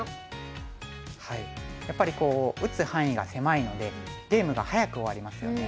やっぱり打つ範囲が狭いのでゲームが早く終わりますよね。